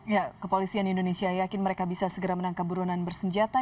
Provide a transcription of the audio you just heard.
ya kepolisian indonesia yakin mereka bisa segera menangkap buronan bersenjata